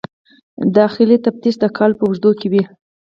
داخلي تفتیش د کال په اوږدو کې وي.